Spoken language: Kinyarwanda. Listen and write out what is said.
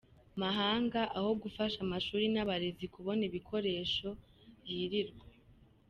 mahanga; aho gufasha amashuri n’abarezi kubona ibikoresho, yirirwa